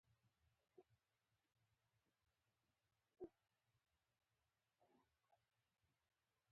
د اړتیا پر مهال دولت مداخله کوي.